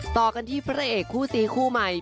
ต่อกันที่พระเอกคู่ซีคู่ใหม่